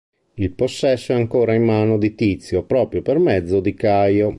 Il possesso è ancora in mano di Tizio proprio per mezzo di Caio.